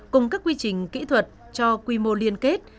cùng các quy trình kỹ thuật cho quy mô liên kết